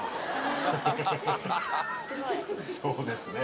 そうですね